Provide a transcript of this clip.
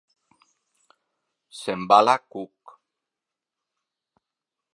S'embala Cook—.